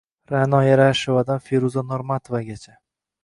Ra’no Yarashevadan Feruza Normatovagacha